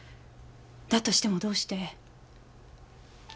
だとしてもどうして。